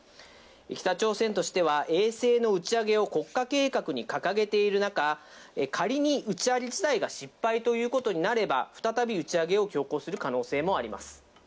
北朝鮮としては衛星の打ち上げを国家計画に掲げている中、仮に打ち上げ自体が失敗ということになれば、再び打ち上げを強行する可能性もあります。